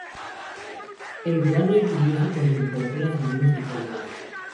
El verano es lluvioso con temperaturas amenas y cálidas.